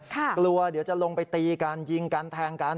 กลัวเดี๋ยวจะลงไปตีกันยิงกันแทงกัน